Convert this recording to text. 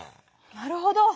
なるほど。